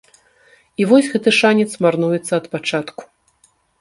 І вось гэты шанец марнуецца ад пачатку.